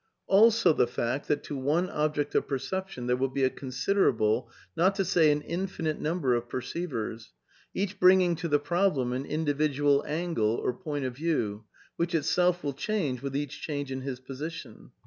Also the fact that to one object of per ception there will be a considerable, not to say an infinite number of perceivers, each bringing to the problem an in dividual angle or point of view, which itself will change with each change in his position.